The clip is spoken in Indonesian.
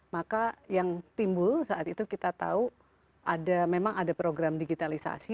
maka yang timbul saat itu kita tahu memang ada program digitalisasi